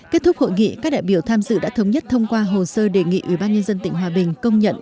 kết thúc hội nghị các đại biểu tham dự đã thống nhất thông qua hồ sơ đề nghị ủy ban nhân dân tỉnh hòa bình công nhận